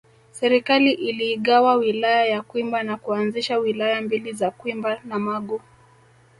Serikali iliigawa Wilaya ya Kwimba na kuanzisha Wilaya mbili za Kwimba na Magu